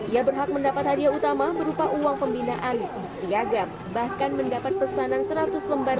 ia berhak mendapat hadiah utama berupa uang pembinaan piagam bahkan mendapat pesanan seratus lembar